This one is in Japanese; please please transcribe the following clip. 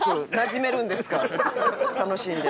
楽しんで。